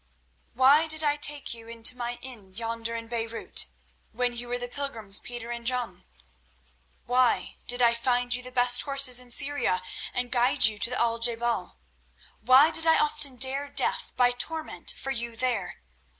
"Why did I take you into my inn yonder in Beirut when you were the pilgrims Peter and John? Why did I find you the best horses in Syria and guide you to the Al je bal? Why did I often dare death by torment for you there?